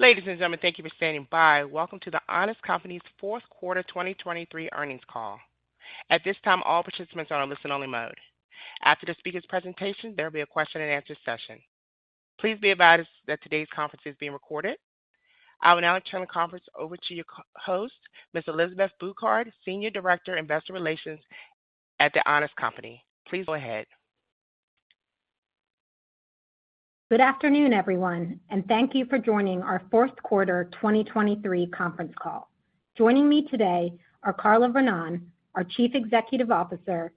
Ladies and gentlemen, thank you for standing by. Welcome to The Honest Company's fourth quarter 2023 earnings call. At this time, all participants are on listen-only mode. After the speaker's presentation, there will be a question-and-answer session. Please be advised that today's conference is being recorded. I will now turn the conference over to your host, Ms. Elizabeth Bouquard, Senior Director, Investor Relations at the Honest Company. Please go ahead. Good afternoon, everyone, and thank you for joining our fourth quarter 2023 conference call. Joining me today are Carla Vernón, our Chief Executive Officer,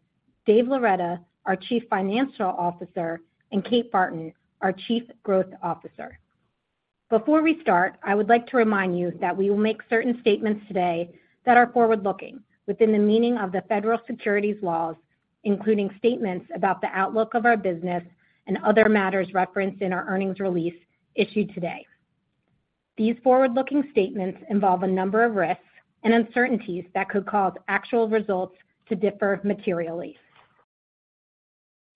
Dave Loretta, our Chief Financial Officer, and Kate Barton, our Chief Growth Officer. Before we start, I would like to remind you that we will make certain statements today that are forward-looking within the meaning of the federal securities laws, including statements about the outlook of our business and other matters referenced in our earnings release issued today. These forward-looking statements involve a number of risks and uncertainties that could cause actual results to differ materially.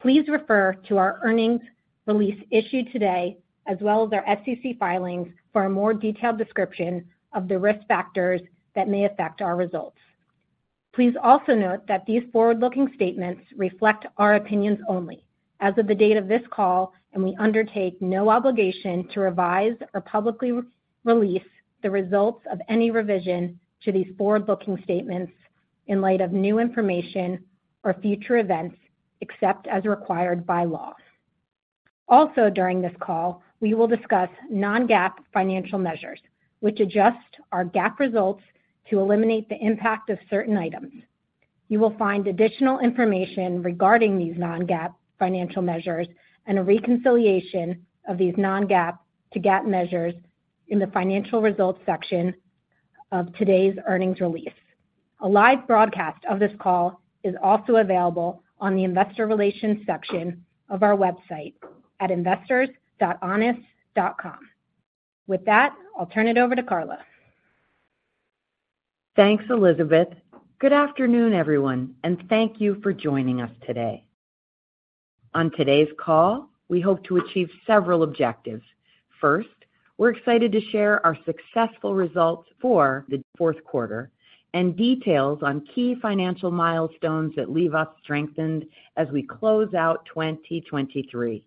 Please refer to our earnings release issued today as well as our SEC filings for a more detailed description of the risk factors that may affect our results. Please also note that these forward-looking statements reflect our opinions only as of the date of this call, and we undertake no obligation to revise or publicly release the results of any revision to these forward-looking statements in light of new information or future events except as required by law. Also, during this call, we will discuss non-GAAP financial measures, which adjust our GAAP results to eliminate the impact of certain items. You will find additional information regarding these non-GAAP financial measures and a reconciliation of these non-GAAP to GAAP measures in the financial results section of today's earnings release. A live broadcast of this call is also available on the investor relations section of our website at investors.honest.com. With that, I'll turn it over to Carla. Thanks, Elizabeth. Good afternoon, everyone, and thank you for joining us today. On today's call, we hope to achieve several objectives. First, we're excited to share our successful results for the fourth quarter and details on key financial milestones that leave us strengthened as we close out 2023.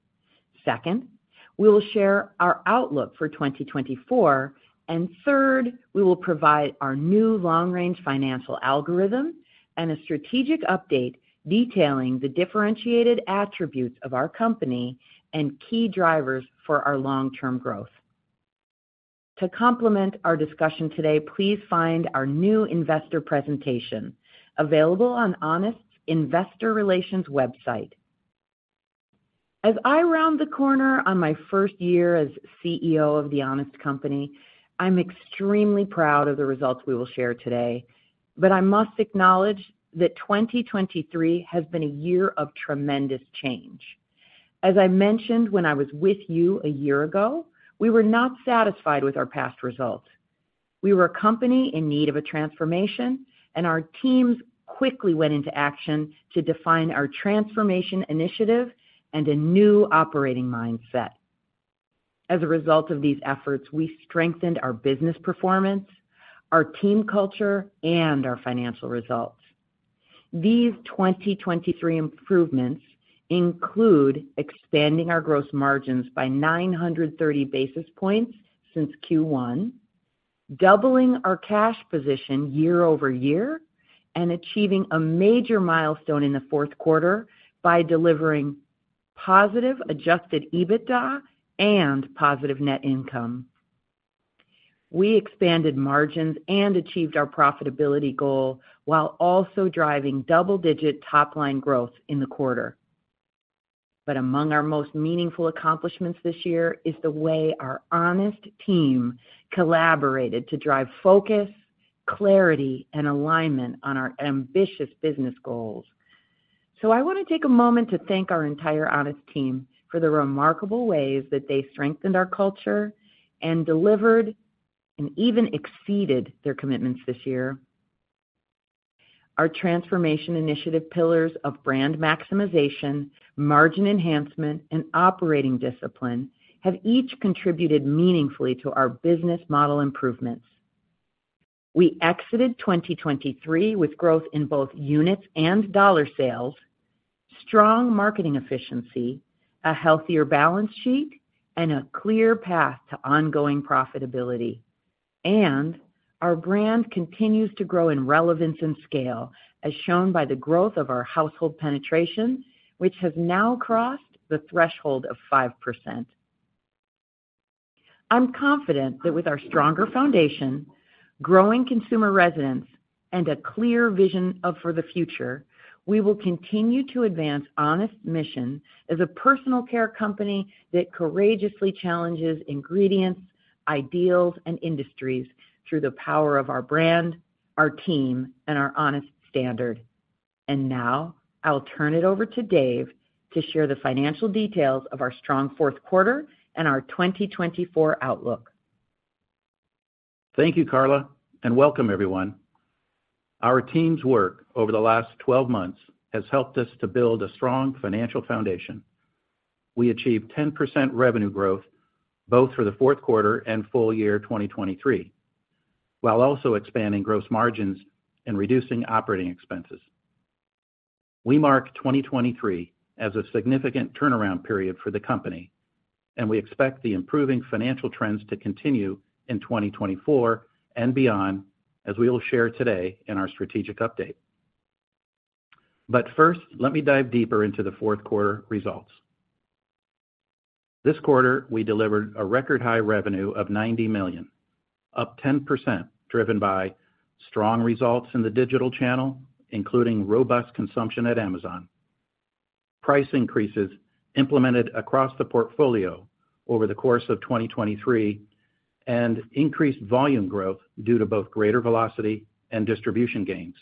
Second, we will share our outlook for 2024. Third, we will provide our new long-range financial algorithm and a strategic update detailing the differentiated attributes of our company and key drivers for our long-term growth. To complement our discussion today, please find our new investor presentation available on Honest's investor relations website. As I round the corner on my first year as CEO of The Honest Company, I'm extremely proud of the results we will share today, but I must acknowledge that 2023 has been a year of tremendous change. As I mentioned when I was with you a year ago, we were not satisfied with our past results. We were a company in need of a transformation, and our teams quickly went into action to define our transformation initiative and a new operating mindset. As a result of these efforts, we strengthened our business performance, our team culture, and our financial results. These 2023 improvements include expanding our gross margins by 930 basis points since Q1, doubling our cash position year-over-year, and achieving a major milestone in the fourth quarter by delivering positive adjusted EBITDA and positive net income. We expanded margins and achieved our profitability goal while also driving double-digit top-line growth in the quarter. But among our most meaningful accomplishments this year is the way our Honest team collaborated to drive focus, clarity, and alignment on our ambitious business goals. I want to take a moment to thank our entire Honest team for the remarkable ways that they strengthened our culture and delivered and even exceeded their commitments this year. Our transformation initiative pillars of brand maximization, margin enhancement, and operating discipline have each contributed meaningfully to our business model improvements. We exited 2023 with growth in both units and dollar sales, strong marketing efficiency, a healthier balance sheet, and a clear path to ongoing profitability. Our brand continues to grow in relevance and scale, as shown by the growth of our household penetration, which has now crossed the threshold of 5%. I'm confident that with our stronger foundation, growing consumer resonance, and a clear vision for the future, we will continue to advance Honest's mission as a personal care company that courageously challenges ingredients, ideals, and industries through the power of our brand, our team, and our Honest Standard. Now I'll turn it over to Dave to share the financial details of our strong fourth quarter and our 2024 outlook. Thank you, Carla, and welcome, everyone. Our team's work over the last 12 months has helped us to build a strong financial foundation. We achieved 10% revenue growth both for the fourth quarter and full year 2023 while also expanding gross margins and reducing operating expenses. We mark 2023 as a significant turnaround period for the company, and we expect the improving financial trends to continue in 2024 and beyond, as we will share today in our strategic update. First, let me dive deeper into the fourth quarter results. This quarter, we delivered a record-high revenue of $90 million, up 10% driven by strong results in the digital channel, including robust consumption at Amazon, price increases implemented across the portfolio over the course of 2023, and increased volume growth due to both greater velocity and distribution gains.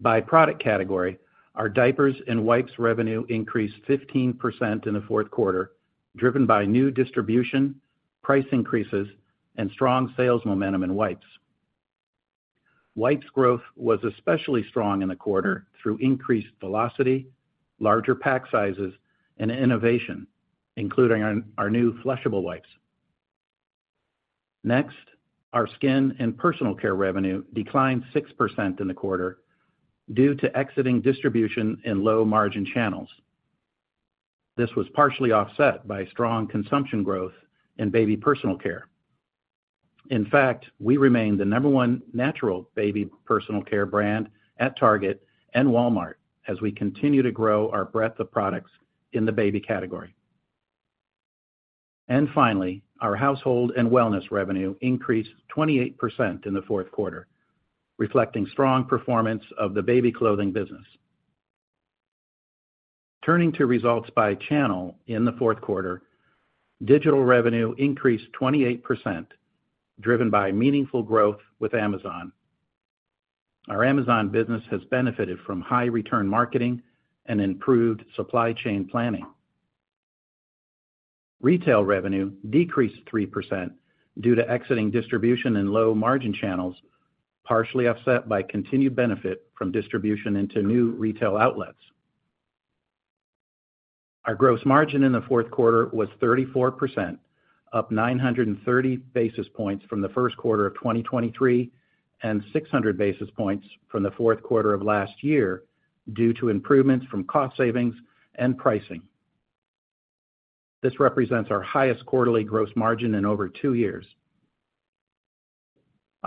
By product category, our diapers and wipes revenue increased 15% in the fourth quarter, driven by new distribution, price increases, and strong sales momentum in wipes. Wipes growth was especially strong in the quarter through increased velocity, larger pack sizes, and innovation, including our new flushable wipes. Next, our skin and personal care revenue declined 6% in the quarter due to exiting distribution in low-margin channels. This was partially offset by strong consumption growth in baby personal care. In fact, we remain the number one natural baby personal care brand at Target and Walmart as we continue to grow our breadth of products in the baby category. And finally, our household and wellness revenue increased 28% in the fourth quarter, reflecting strong performance of the baby clothing business. Turning to results by channel in the fourth quarter, digital revenue increased 28%, driven by meaningful growth with Amazon. Our Amazon business has benefited from high-return marketing and improved supply chain planning. Retail revenue decreased 3% due to exiting distribution in low-margin channels, partially offset by continued benefit from distribution into new retail outlets. Our gross margin in the fourth quarter was 34%, up 930 basis points from the first quarter of 2023 and 600 basis points from the fourth quarter of last year due to improvements from cost savings and pricing. This represents our highest quarterly gross margin in over two years.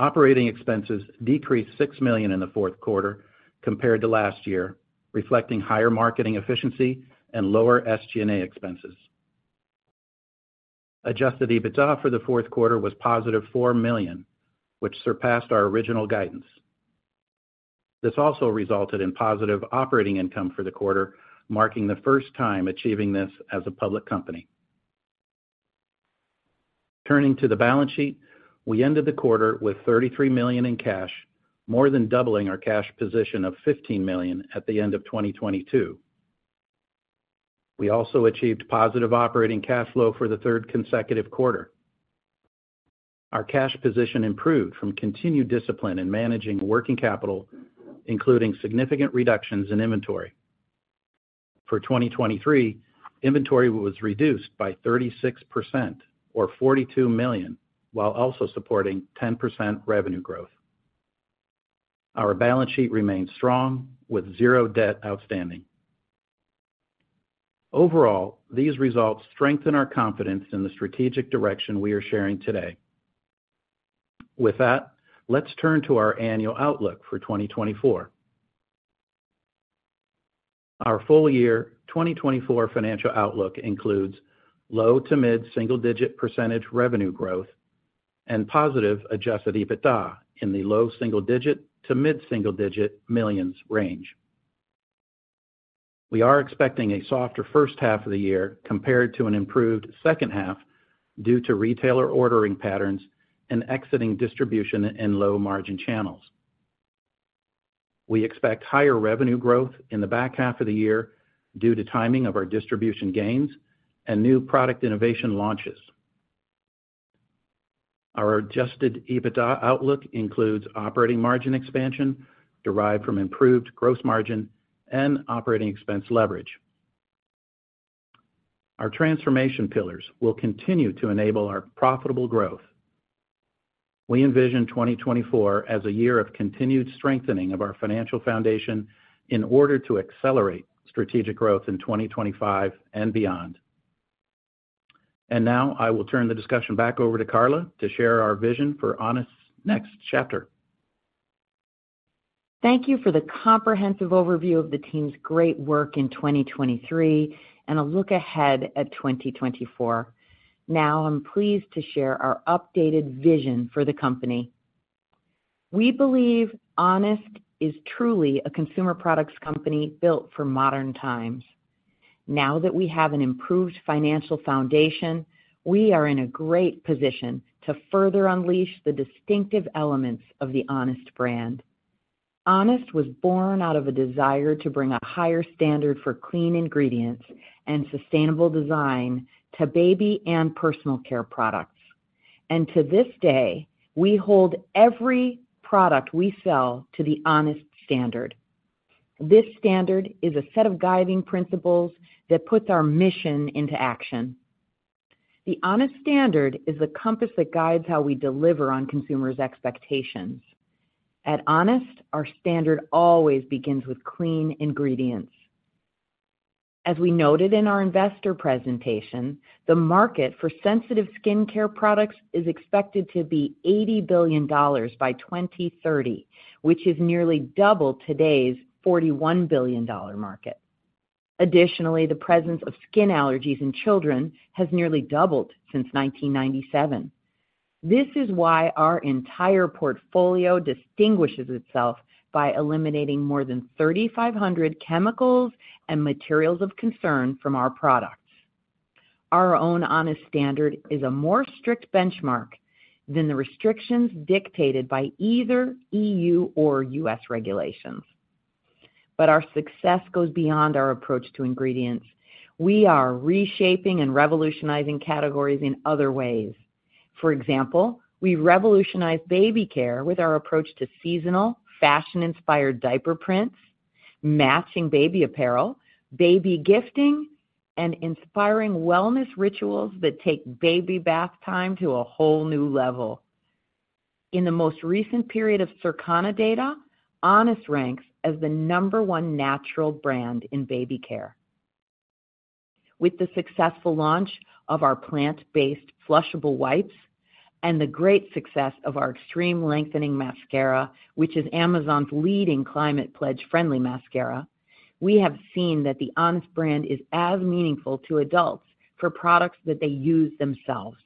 Operating expenses decreased $6 million in the fourth quarter compared to last year, reflecting higher marketing efficiency and lower SG&A expenses. Adjusted EBITDA for the fourth quarter was positive $4 million, which surpassed our original guidance. This also resulted in positive operating income for the quarter, marking the first time achieving this as a public company. Turning to the balance sheet, we ended the quarter with $33 million in cash, more than doubling our cash position of $15 million at the end of 2022. We also achieved positive operating cash flow for the third consecutive quarter. Our cash position improved from continued discipline in managing working capital, including significant reductions in inventory. For 2023, inventory was reduced by 36% or $42 million while also supporting 10% revenue growth. Our balance sheet remains strong, with zero debt outstanding. Overall, these results strengthen our confidence in the strategic direction we are sharing today. With that, let's turn to our annual outlook for 2024. Our full year 2024 financial outlook includes low- to mid-single-digit% revenue growth and positive adjusted EBITDA in the low-single-digit to mid-single-digit millions range. We are expecting a softer first half of the year compared to an improved second half due to retailer ordering patterns and exiting distribution in low-margin channels. We expect higher revenue growth in the back half of the year due to timing of our distribution gains and new product innovation launches. Our adjusted EBITDA outlook includes operating margin expansion derived from improved gross margin and operating expense leverage. Our transformation pillars will continue to enable our profitable growth. We envision 2024 as a year of continued strengthening of our financial foundation in order to accelerate strategic growth in 2025 and beyond. Now I will turn the discussion back over to Carla to share our vision for Honest's next chapter. Thank you for the comprehensive overview of the team's great work in 2023 and a look ahead at 2024. Now I'm pleased to share our updated vision for the company. We believe Honest is truly a consumer products company built for modern times. Now that we have an improved financial foundation, we are in a great position to further unleash the distinctive elements of the Honest brand. Honest was born out of a desire to bring a higher standard for clean ingredients and sustainable design to baby and personal care products. To this day, we hold every product we sell to the Honest Standard. This standard is a set of guiding principles that puts our mission into action. The Honest Standard is the compass that guides how we deliver on consumers' expectations. At Honest, our standard always begins with clean ingredients. As we noted in our investor presentation, the market for sensitive skincare products is expected to be $80 billion by 2030, which is nearly double today's $41 billion market. Additionally, the presence of skin allergies in children has nearly doubled since 1997. This is why our entire portfolio distinguishes itself by eliminating more than 3,500 chemicals and materials of concern from our products. Our own Honest Standard is a more strict benchmark than the restrictions dictated by either EU or U.S. regulations. But our success goes beyond our approach to ingredients. We are reshaping and revolutionizing categories in other ways. For example, we revolutionize baby care with our approach to seasonal, fashion-inspired diaper prints, matching baby apparel, baby gifting, and inspiring wellness rituals that take baby bath time to a whole new level. In the most recent period of Circana data, Honest ranks as the number one natural brand in baby care. With the successful launch of our Plant-Based Flushable Wipes and the great success of our Extreme Length Mascara, which is Amazon's leading Climate Pledge Friendly mascara, we have seen that the Honest brand is as meaningful to adults for products that they use themselves.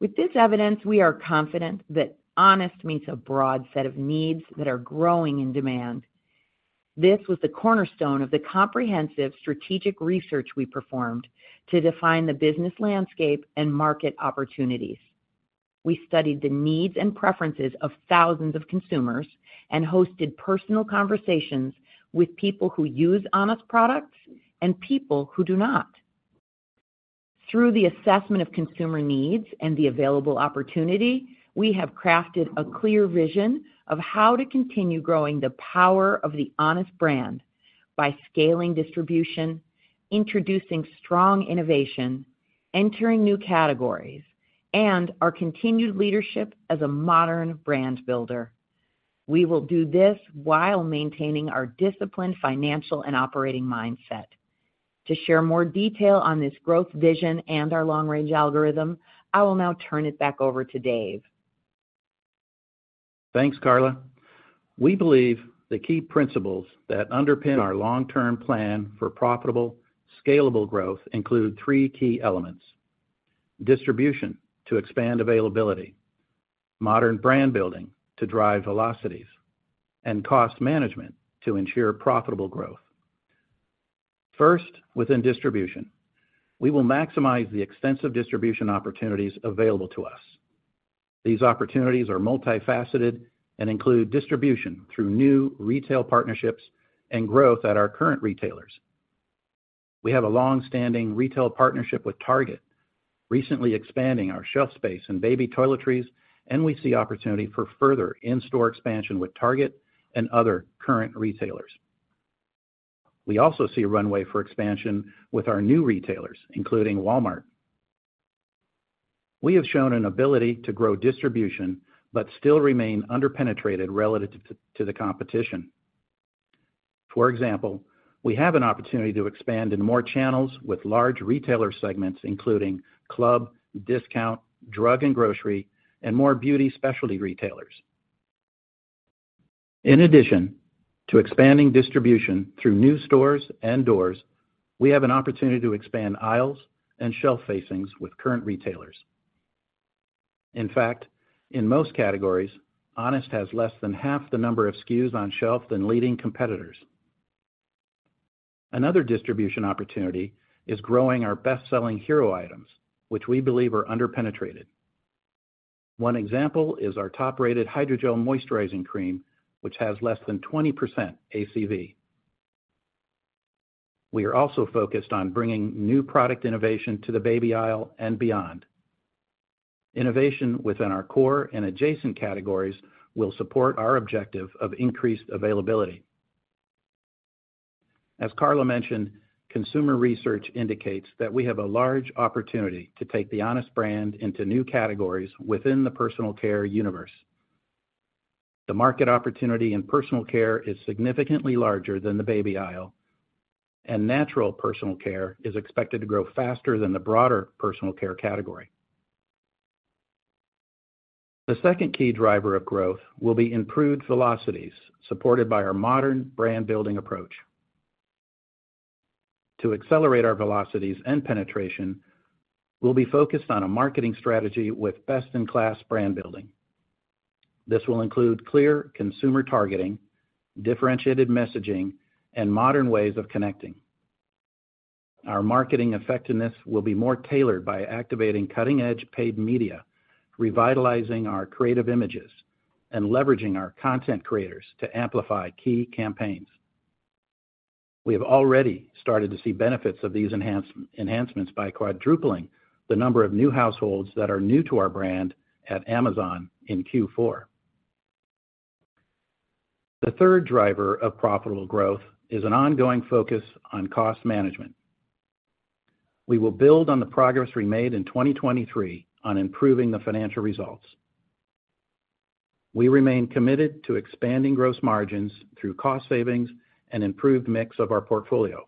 With this evidence, we are confident that Honest meets a broad set of needs that are growing in demand. This was the cornerstone of the comprehensive strategic research we performed to define the business landscape and market opportunities. We studied the needs and preferences of thousands of consumers and hosted personal conversations with people who use Honest products and people who do not. Through the assessment of consumer needs and the available opportunity, we have crafted a clear vision of how to continue growing the power of the Honest brand by scaling distribution, introducing strong innovation, entering new categories, and our continued leadership as a modern brand builder. We will do this while maintaining our disciplined financial and operating mindset. To share more detail on this growth vision and our long-range algorithm, I will now turn it back over to Dave. Thanks, Carla. We believe the key principles that underpin our long-term plan for profitable, scalable growth include three key elements: distribution to expand availability, modern brand building to drive velocities, and cost management to ensure profitable growth. First, within distribution, we will maximize the extensive distribution opportunities available to us. These opportunities are multifaceted and include distribution through new retail partnerships and growth at our current retailers. We have a longstanding retail partnership with Target, recently expanding our shelf space in baby toiletries, and we see opportunity for further in-store expansion with Target and other current retailers. We also see runway for expansion with our new retailers, including Walmart. We have shown an ability to grow distribution but still remain underpenetrated relative to the competition. For example, we have an opportunity to expand in more channels with large retailer segments, including club, discount, drug and grocery, and more beauty specialty retailers. In addition to expanding distribution through new stores and doors, we have an opportunity to expand aisles and shelf facings with current retailers. In fact, in most categories, Honest has less than half the number of SKUs on shelf than leading competitors. Another distribution opportunity is growing our best-selling hero items, which we believe are underpenetrated. One example is our top-rated Hydrogel moisturizing cream, which has less than 20% ACV. We are also focused on bringing new product innovation to the baby aisle and beyond. Innovation within our core and adjacent categories will support our objective of increased availability. As Carla mentioned, consumer research indicates that we have a large opportunity to take the Honest brand into new categories within the personal care universe. The market opportunity in personal care is significantly larger than the baby aisle, and natural personal care is expected to grow faster than the broader personal care category. The second key driver of growth will be improved velocities supported by our modern brand building approach. To accelerate our velocities and penetration, we'll be focused on a marketing strategy with best-in-class brand building. This will include clear consumer targeting, differentiated messaging, and modern ways of connecting. Our marketing effectiveness will be more tailored by activating cutting-edge paid media, revitalizing our creative images, and leveraging our content creators to amplify key campaigns. We have already started to see benefits of these enhancements by quadrupling the number of new households that are new to our brand at Amazon in Q4. The third driver of profitable growth is an ongoing focus on cost management. We will build on the progress we made in 2023 on improving the financial results. We remain committed to expanding gross margins through cost savings and improved mix of our portfolio.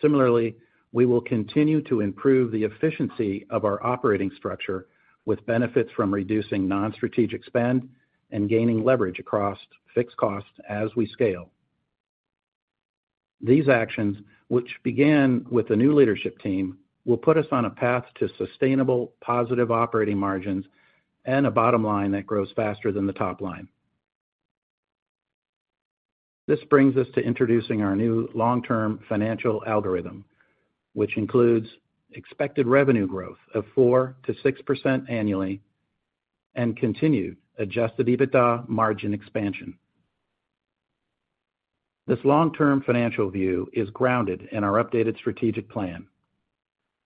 Similarly, we will continue to improve the efficiency of our operating structure with benefits from reducing non-strategic spend and gaining leverage across fixed costs as we scale. These actions, which began with a new leadership team, will put us on a path to sustainable, positive operating margins and a bottom line that grows faster than the top line. This brings us to introducing our new long-term financial algorithm, which includes expected revenue growth of 4%-6% annually and continued adjusted EBITDA margin expansion. This long-term financial view is grounded in our updated strategic plan,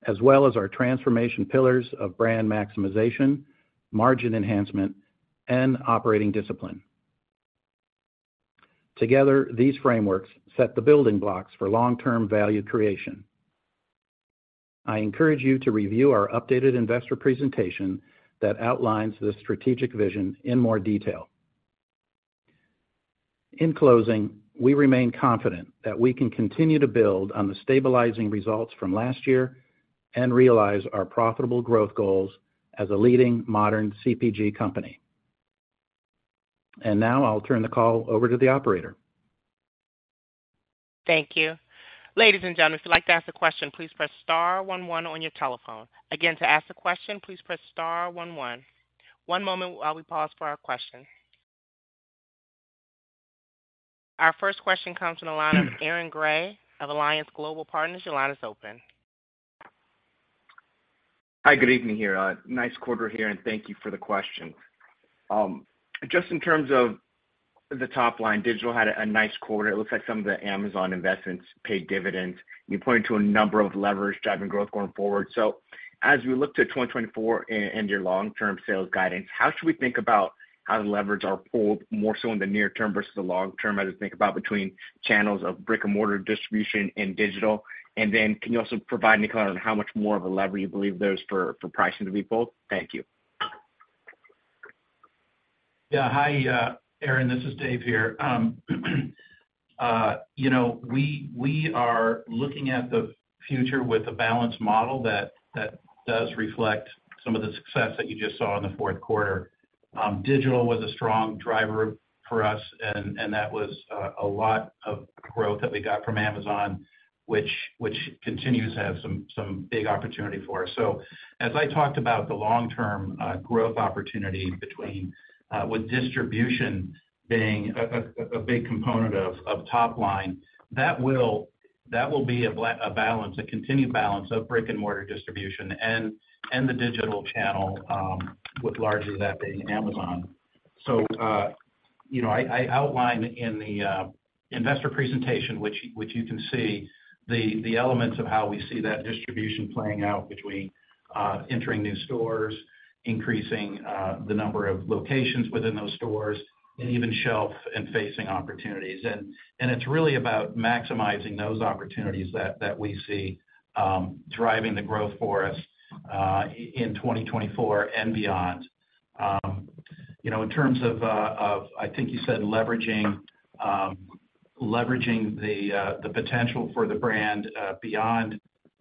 as well as our transformation pillars of brand maximization, margin enhancement, and operating discipline. Together, these frameworks set the building blocks for long-term value creation. I encourage you to review our updated investor presentation that outlines this strategic vision in more detail. In closing, we remain confident that we can continue to build on the stabilizing results from last year and realize our profitable growth goals as a leading modern CPG company. And now I'll turn the call over to the operator. Thank you. Ladies and gentlemen, if you'd like to ask a question, please press star one one on your telephone. Again, to ask a question, please press star one one. One moment while we pause for our question. Our first question comes from Aaron Grey of Alliance Global Partners. Your line is open. Hi. Good evening here. Nice quarter here, and thank you for the question. Just in terms of the top line, digital had a nice quarter. It looks like some of the Amazon investments paid dividends. You pointed to a number of levers driving growth going forward. So as we look to 2024 and your long-term sales guidance, how should we think about how the levers are pulled more so in the near term versus the long term as we think about between channels of brick-and-mortar distribution and digital? And then can you also provide any color on how much more of a lever you believe there's for pricing to be pulled? Thank you. Yeah. Hi, Aaron. This is Dave here. We are looking at the future with a balanced model that does reflect some of the success that you just saw in the fourth quarter. Digital was a strong driver for us, and that was a lot of growth that we got from Amazon, which continues to have some big opportunity for us. So as I talked about the long-term growth opportunity with distribution being a big component of top line, that will be a balance, a continued balance of brick-and-mortar distribution and the digital channel, with largely that being Amazon. So I outlined in the investor presentation, which you can see, the elements of how we see that distribution playing out between entering new stores, increasing the number of locations within those stores, and even shelf and facing opportunities. It's really about maximizing those opportunities that we see driving the growth for us in 2024 and beyond. In terms of, I think you said, leveraging the potential for the brand beyond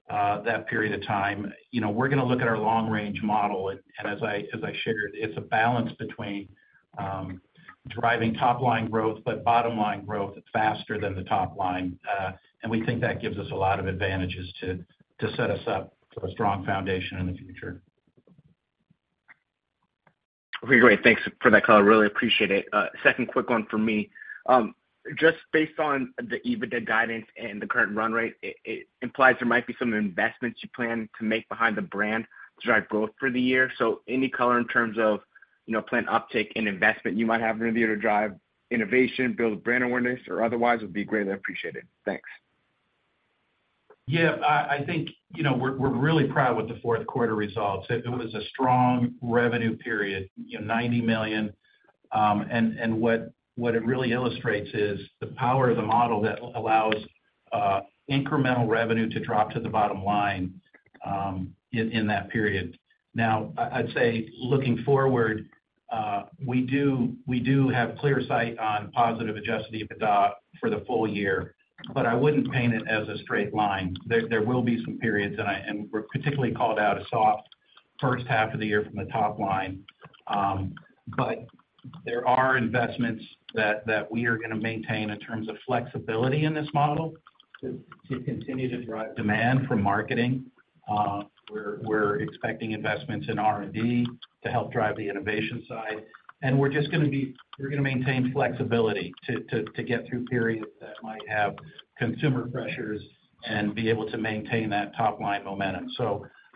that period of time, we're going to look at our long-range model. As I shared, it's a balance between driving top-line growth but bottom-line growth faster than the top line. We think that gives us a lot of advantages to set us up for a strong foundation in the future. Very great. Thanks for the color. Really appreciate it. Second quick one from me. Just based on the EBITDA guidance and the current run rate, it implies there might be some investments you plan to make behind the brand to drive growth for the year. So any color in terms of planned uptake and investment you might have in the year to drive innovation, build brand awareness, or otherwise would be greatly appreciated. Thanks. Yeah. I think we're really proud with the fourth quarter results. It was a strong revenue period, $90 million. And what it really illustrates is the power of the model that allows incremental revenue to drop to the bottom line in that period. Now, I'd say looking forward, we do have clear sight on positive adjusted EBITDA for the full year, but I wouldn't paint it as a straight line. There will be some periods, and we're particularly called out a soft first half of the year from the top line. But there are investments that we are going to maintain in terms of flexibility in this model to continue to drive demand from marketing. We're expecting investments in R&D to help drive the innovation side. We're going to maintain flexibility to get through periods that might have consumer pressures and be able to maintain that top-line momentum.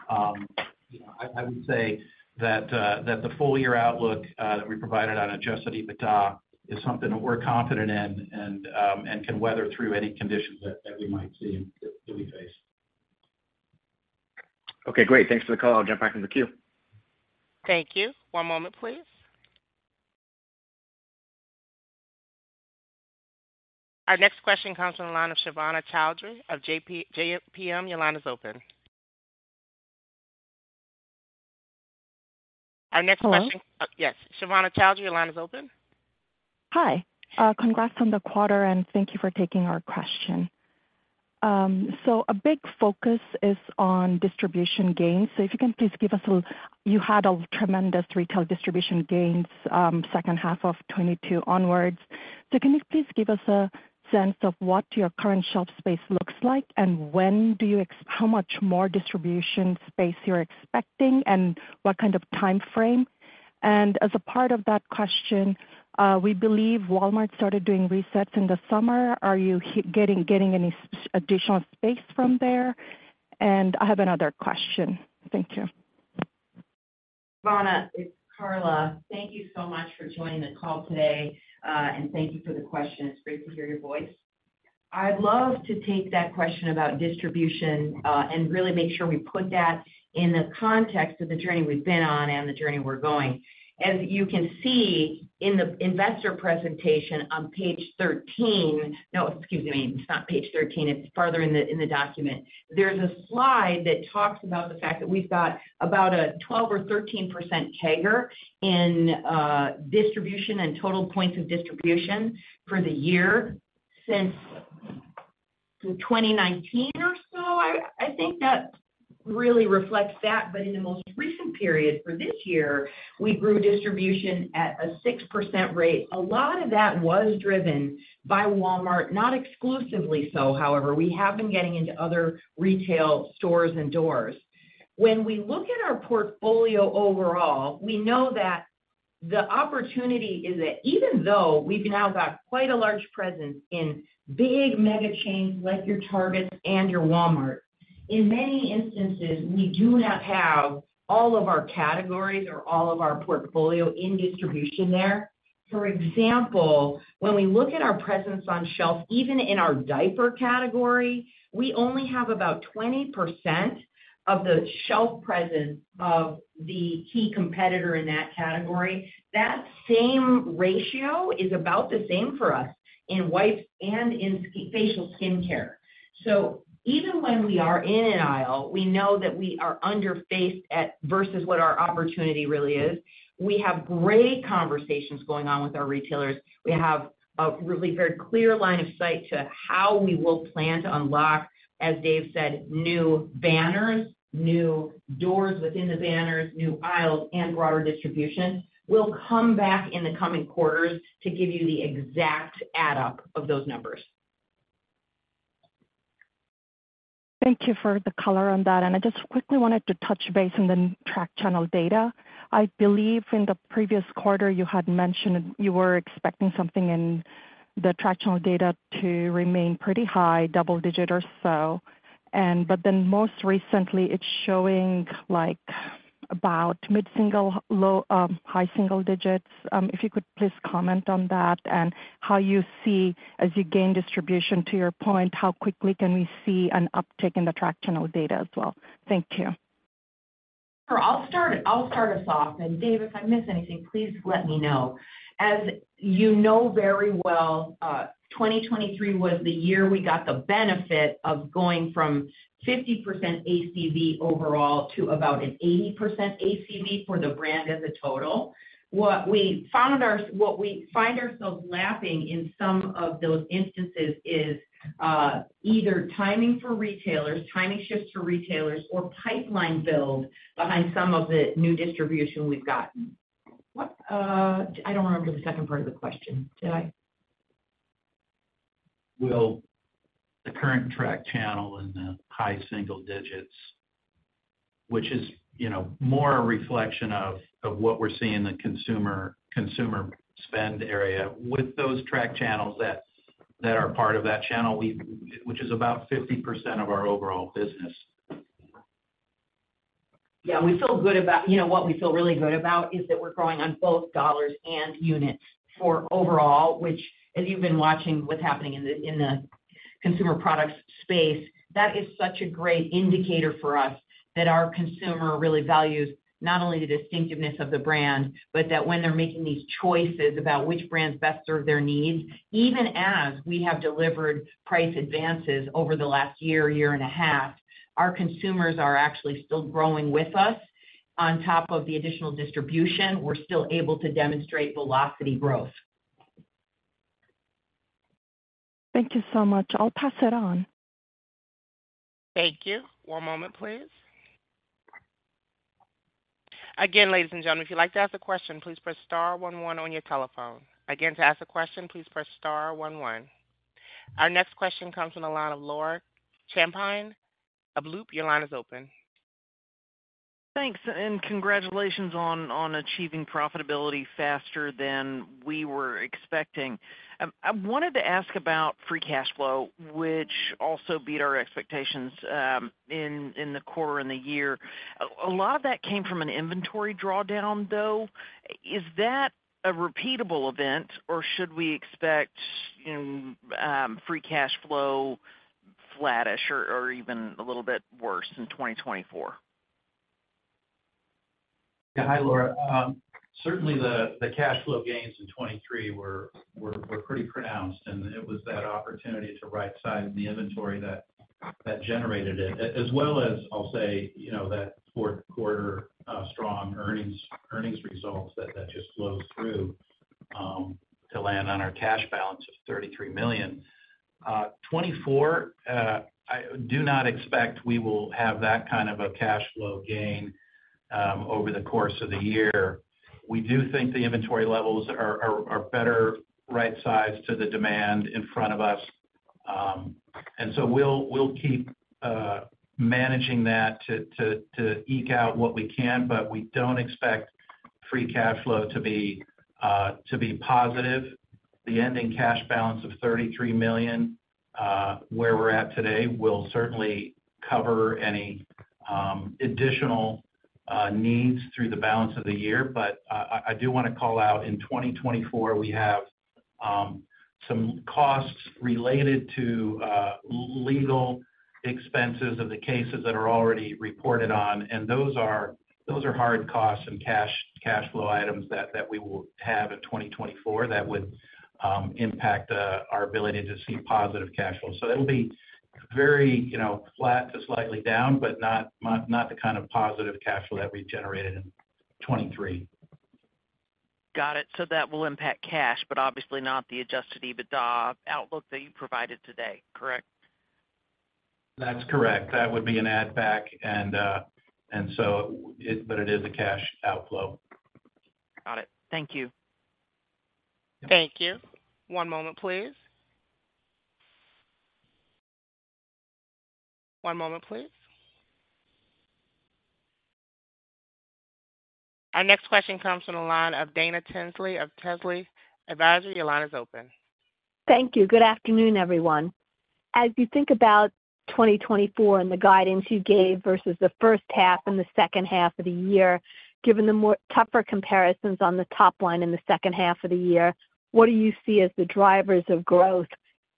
I would say that the full-year outlook that we provided on adjusted EBITDA is something that we're confident in and can weather through any conditions that we might see that we face. Okay. Great. Thanks for the call. I'll jump back in the queue. Thank you. One moment, please. Our next question comes from the line of Shivhana Choudhry of JFPM. Your line is open. Hi. Congrats on the quarter, and thank you for taking our question. So a big focus is on distribution gains. So if you can please give us a you had tremendous retail distribution gains second half of 2022 onwards. So can you please give us a sense of what your current shelf space looks like, and how much more distribution space you're expecting, and what kind of timeframe? And as a part of that question, we believe Walmart started doing resets in the summer. Are you getting any additional space from there? And I have another question. Thank you. Shivhana, it's Carla. Thank you so much for joining the call today, and thank you for the question. It's great to hear your voice. I'd love to take that question about distribution and really make sure we put that in the context of the journey we've been on and the journey we're going. As you can see in the investor presentation on page 13 no, excuse me. It's not page 13. It's farther in the document. There's a slide that talks about the fact that we've got about a 12% or 13% CAGR in distribution and total points of distribution for the year since 2019 or so. I think that really reflects that. But in the most recent period for this year, we grew distribution at a 6% rate. A lot of that was driven by Walmart. Not exclusively so, however. We have been getting into other retail stores and doors. When we look at our portfolio overall, we know that the opportunity is that even though we've now got quite a large presence in big mega chains like your Target and your Walmart, in many instances, we do not have all of our categories or all of our portfolio in distribution there. For example, when we look at our presence on shelf, even in our diaper category, we only have about 20% of the shelf presence of the key competitor in that category. That same ratio is about the same for us in wipes and in facial skincare. So even when we are in an aisle, we know that we are underfaced versus what our opportunity really is. We have great conversations going on with our retailers. We have a really very clear line of sight to how we will plan to unlock, as Dave said, new banners, new doors within the banners, new aisles, and broader distribution. We'll come back in the coming quarters to give you the exact add-up of those numbers. Thank you for the color on that. I just quickly wanted to touch base on the track channel data. I believe in the previous quarter, you had mentioned you were expecting something in the track channel data to remain pretty high, double-digit or so. But then most recently, it's showing about mid-single, high-single digits. If you could please comment on that and how you see, as you gain distribution, to your point, how quickly can we see an uptake in the track channel data as well? Thank you. Sure. I'll start us off. Dave, if I miss anything, please let me know. As you know very well, 2023 was the year we got the benefit of going from 50% ACV overall to about an 80% ACV for the brand as a total. What we find ourselves lapping in some of those instances is either timing for retailers, timing shifts for retailers, or pipeline build behind some of the new distribution we've gotten. I don't remember the second part of the question. Did I? Well, the current track channel and the high-single digits, which is more a reflection of what we're seeing in the consumer spend area, with those track channels that are part of that channel, which is about 50% of our overall business. Yeah. We feel good about what we feel really good about is that we're growing on both dollars and units for overall, which, as you've been watching what's happening in the consumer products space, that is such a great indicator for us that our consumer really values not only the distinctiveness of the brand, but that when they're making these choices about which brands best serve their needs, even as we have delivered price advances over the last year, year and a half, our consumers are actually still growing with us. On top of the additional distribution, we're still able to demonstrate velocity growth. Thank you so much. I'll pass it on. Thank you. One moment, please. Again, ladies and gentlemen, if you'd like to ask a question, please press star one one on your telephone. Again, to ask a question, please press star 11. Our next question comes from the line of Laura Champine of Loop. Your line is open. Thanks and congratulations on achieving profitability faster than we were expecting. I wanted to ask about free cash flow, which also beat our expectations in the quarter and the year. A lot of that came from an inventory drawdown, though. Is that a repeatable event, or should we expect free cash flow flattish or even a little bit worse in 2024? Yeah. Hi, Laura. Certainly, the cash flow gains in 2023 were pretty pronounced, and it was that opportunity to right-size the inventory that generated it, as well as, I'll say, that fourth-quarter strong earnings results that just flowed through to land on our cash balance of $33 million. 2024, I do not expect we will have that kind of a cash flow gain over the course of the year. We do think the inventory levels are better right-sized to the demand in front of us. And so we'll keep managing that to eke out what we can, but we don't expect free cash flow to be positive. The ending cash balance of $33 million where we're at today will certainly cover any additional needs through the balance of the year. But I do want to call out, in 2024, we have some costs related to legal expenses of the cases that are already reported on. And those are hard costs and cash flow items that we will have in 2024 that would impact our ability to see positive cash flow. So it'll be very flat to slightly down, but not the kind of positive cash flow that we generated in 2023. Got it. So that will impact cash, but obviously not the adjusted EBITDA outlook that you provided today, correct? That's correct. That would be an add-back, but it is a cash outflow. Got it. Thank you. Thank you. One moment, please. One moment, please. Our next question comes from the line of Dana Telsey of Telsey Advisory. Your line is open. Thank you. Good afternoon, everyone. As you think about 2024 and the guidance you gave versus the first half and the second half of the year, given the tougher comparisons on the top line in the second half of the year, what do you see as the drivers of growth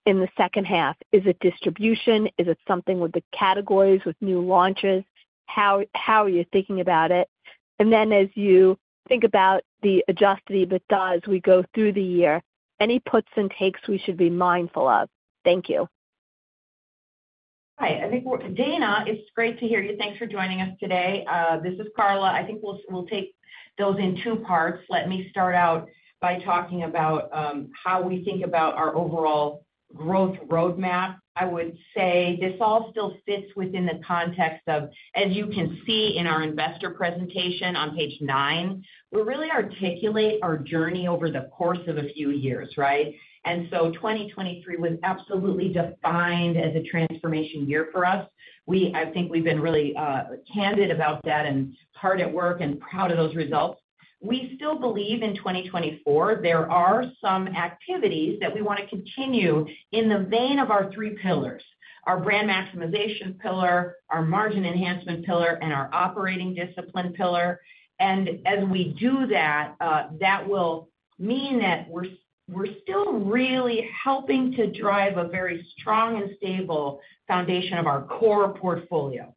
in the second half? Is it distribution? Is it something with the categories, with new launches? How are you thinking about it? And then as you think about the adjusted EBITDA as we go through the year, any puts and takes we should be mindful of? Thank you. Hi. Dana, it's great to hear you. Thanks for joining us today. This is Carla. I think we'll take those in two parts. Let me start out by talking about how we think about our overall growth roadmap. I would say this all still fits within the context of, as you can see in our investor presentation on page nine, we really articulate our journey over the course of a few years, right? And so 2023 was absolutely defined as a transformation year for us. I think we've been really candid about that and hard at work and proud of those results. We still believe in 2024, there are some activities that we want to continue in the vein of our three pillars: our brand maximization pillar, our margin enhancement pillar, and our operating discipline pillar. And as we do that, that will mean that we're still really helping to drive a very strong and stable foundation of our core portfolio.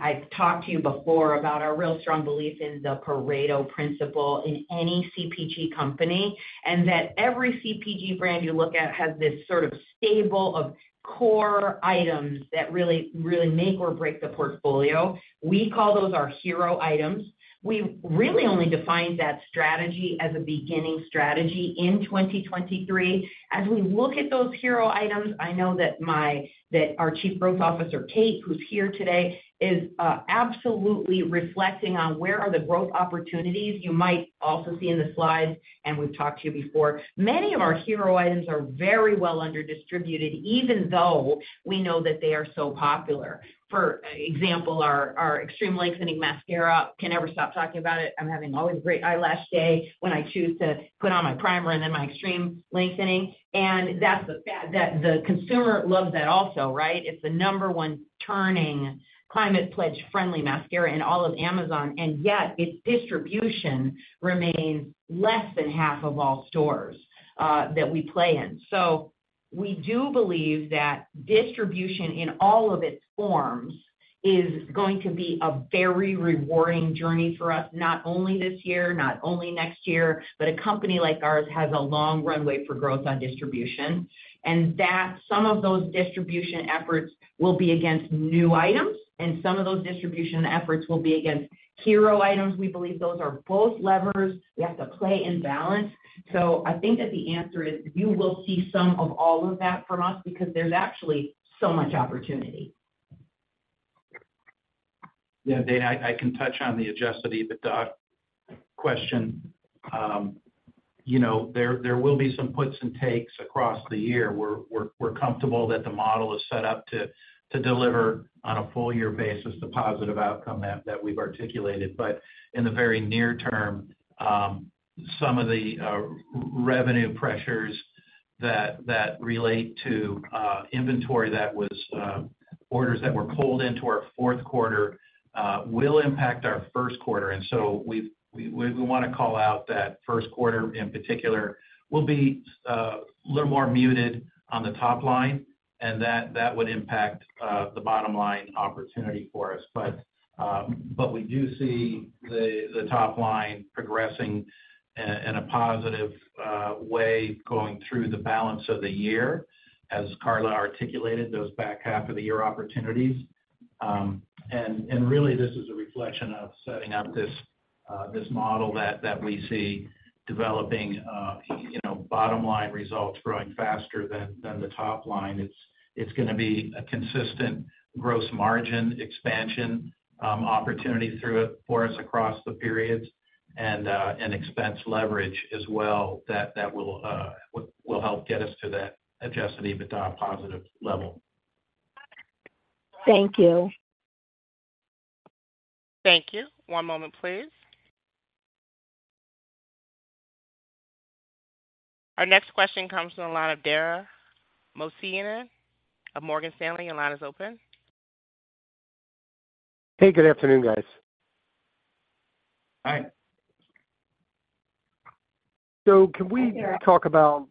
I've talked to you before about our real strong belief in the Pareto principle in any CPG company and that every CPG brand you look at has this sort of stable of core items that really make or break the portfolio. We call those our hero items. We really only defined that strategy as a beginning strategy in 2023. As we look at those hero items, I know that our Chief Growth Officer, Kate, who's here today, is absolutely reflecting on where are the growth opportunities you might also see in the slides, and we've talked to you before. Many of our hero items are very well under-distributed, even though we know that they are so popular. For example, our Extreme Length Mascara. Can never stop talking about it. I'm having always a great eyelash day when I choose to put on my primer and then my Extreme Length. And the consumer loves that also, right? It's the number one turning Climate Pledge Friendly mascara in all of Amazon. And yet, its distribution remains less than half of all stores that we play in. So we do believe that distribution in all of its forms is going to be a very rewarding journey for us, not only this year, not only next year, but a company like ours has a long runway for growth on distribution. And some of those distribution efforts will be against new items, and some of those distribution efforts will be against hero items. We believe those are both levers we have to play in balance. I think that the answer is you will see some of all of that from us because there's actually so much opportunity. Yeah. Dana, I can touch on the adjusted EBITDA question. There will be some puts and takes across the year. We're comfortable that the model is set up to deliver on a full-year basis the positive outcome that we've articulated. But in the very near term, some of the revenue pressures that relate to inventory that was orders that were pulled into our fourth quarter will impact our first quarter. And so we want to call out that first quarter, in particular, will be a little more muted on the top line, and that would impact the bottom line opportunity for us. But we do see the top line progressing in a positive way going through the balance of the year, as Carla articulated, those back half of the year opportunities. Really, this is a reflection of setting up this model that we see developing bottom line results growing faster than the top line. It's going to be a consistent gross margin expansion opportunity for us across the periods and expense leverage as well that will help get us to that adjusted EBITDA positive level. Thank you. Thank you. One moment, please. Our next question comes from the line of Dara Mohsenian of Morgan Stanley. Your line is open. Hey. Good afternoon, guys. Hi. Can we talk about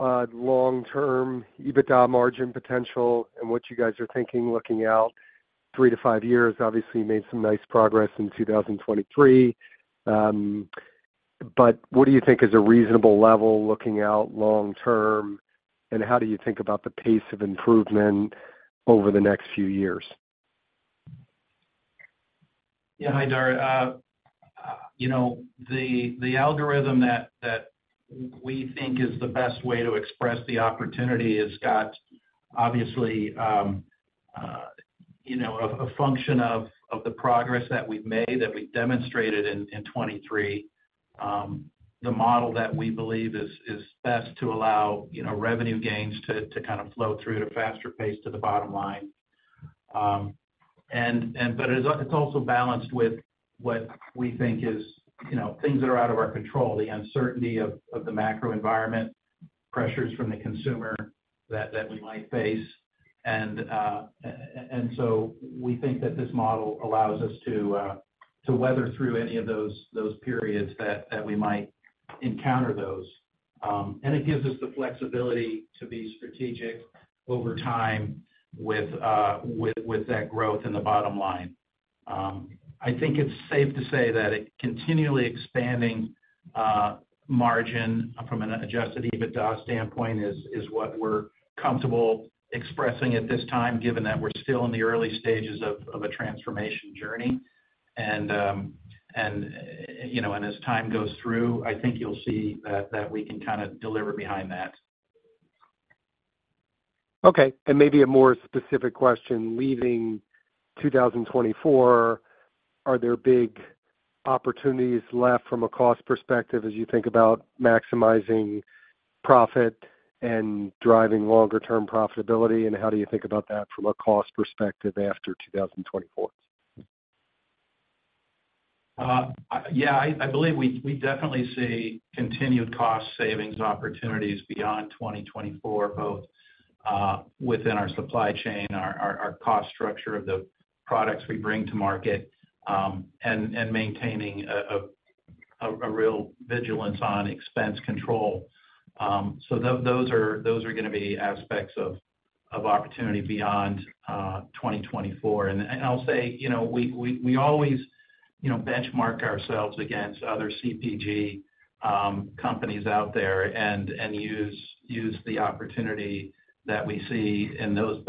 long-term EBITDA margin potential and what you guys are thinking looking out three to five years? Obviously, you made some nice progress in 2023. What do you think is a reasonable level looking out long-term, and how do you think about the pace of improvement over the next few years? Yeah. Hi, Dara. The algorithm that we think is the best way to express the opportunity has got, obviously, a function of the progress that we've made, that we've demonstrated in 2023, the model that we believe is best to allow revenue gains to kind of flow through at a faster pace to the bottom line. But it's also balanced with what we think is things that are out of our control, the uncertainty of the macro environment, pressures from the consumer that we might face. And so we think that this model allows us to weather through any of those periods that we might encounter those. And it gives us the flexibility to be strategic over time with that growth in the bottom line. I think it's safe to say that a continually expanding margin from an adjusted EBITDA standpoint is what we're comfortable expressing at this time, given that we're still in the early stages of a transformation journey. And as time goes through, I think you'll see that we can kind of deliver behind that. Okay. Maybe a more specific question. Leaving 2024, are there big opportunities left from a cost perspective as you think about maximizing profit and driving longer-term profitability? How do you think about that from a cost perspective after 2024? Yeah. I believe we definitely see continued cost savings opportunities beyond 2024, both within our supply chain, our cost structure of the products we bring to market, and maintaining a real vigilance on expense control. So those are going to be aspects of opportunity beyond 2024. And I'll say we always benchmark ourselves against other CPG companies out there and use the opportunity that we see in those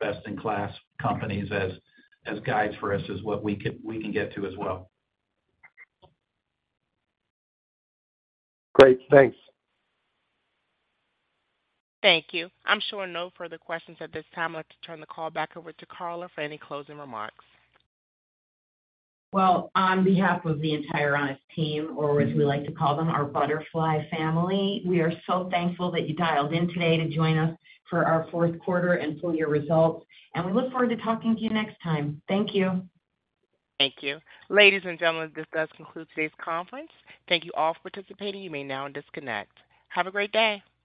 best-in-class companies as guides for us as what we can get to as well. Great. Thanks. Thank you. I'm sure no further questions at this time. I'd like to turn the call back over to Carla for any closing remarks. Well, on behalf of the entire Honest team, or as we like to call them, our butterfly family, we are so thankful that you dialed in today to join us for our fourth quarter and full-year results. We look forward to talking to you next time. Thank you. Thank you. Ladies and gentlemen, this does conclude today's conference. Thank you all for participating. You may now disconnect. Have a great day.